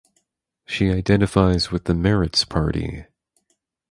She identifies with the Meretz party.